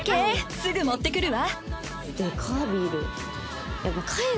すぐ持ってくるわ。